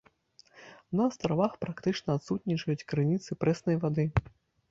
На астравах практычна адсутнічаюць крыніцы прэснай вады.